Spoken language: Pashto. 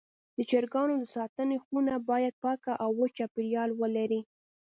د چرګانو د ساتنې خونه باید پاکه او وچ چاپېریال ولري.